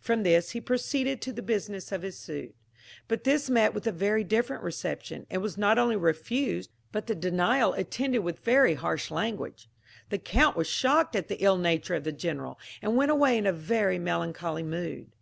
From this he proceeded to the business of his suit; but this met with a very different reception, and was not only refused, but the denial attended with very harsh language. The Count was shocked at the ill nature of the General, and went away in a very melancholy mood.